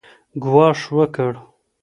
ګواښ وکړ